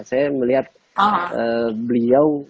saya melihat beliau